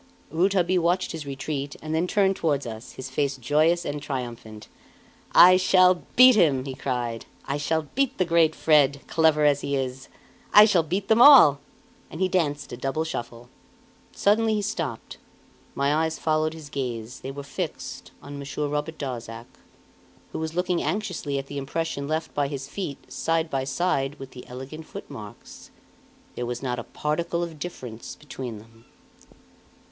Rouletabille watched his retreat, and then turned toward us, his face joyous and triumphant. "I shall beat him!" he cried. "I shall beat the great Fred, clever as he is; I shall beat them all!" And he danced a double shuffle. Suddenly he stopped. My eyes followed his gaze; they were fixed on Monsieur Robert Darzac, who was looking anxiously at the impression left by his feet side by side with the elegant footmarks. There was not a particle of difference between them!